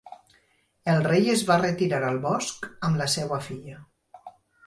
El rei es va retirar al bosc amb la seva filla.